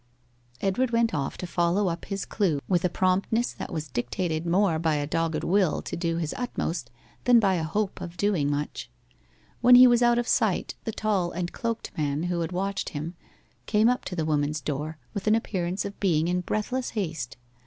Edward went off to follow up his clue with a promptness which was dictated more by a dogged will to do his utmost than by a hope of doing much. When he was out of sight, the tall and cloaked man, who had watched him, came up to the woman's door, with an appearance of being in breathless haste.